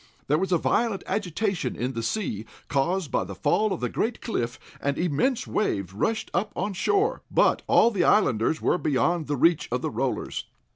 There was a violent agitation in the sea, caused by the fall of the great cliff, and immense waves rushed up on shore, but all the islanders were beyond the reach of the rollers.